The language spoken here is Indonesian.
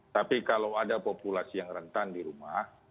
tapi kalau ada populasi yang rentan di rumah